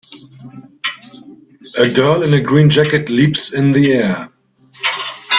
A girl in a green jacket leaps in the air.